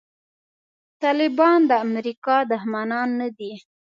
طالبان د امریکا دښمنان نه دي.